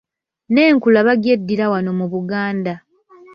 N’Enkula bagyeddira wano mu Buganda.